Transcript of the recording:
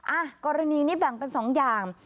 อ่ะกรณีนี้แบ่งเป็น๒อย่าง